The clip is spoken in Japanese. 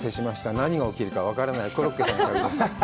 何が起きるか分からない、コロッケさんの旅です。